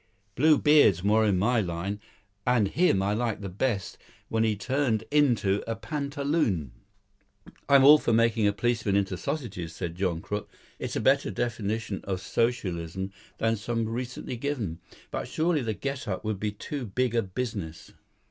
Blue Beard's more in my line, and him I like best when he turned into the pantaloon." "I'm all for making a policeman into sausages," said John Crook. "It's a better definition of Socialism than some recently given. But surely the get up would be too big a business."